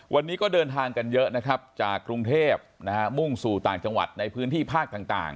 วันนี้ก็เดินทางกันเยอะนะครับจากกรุงเทพมุ่งสู่ต่างจังหวัดในพื้นที่ภาคต่าง